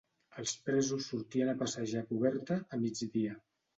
Els presos sortien a passejar a coberta, a migdia.